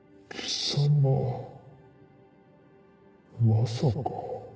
まさか。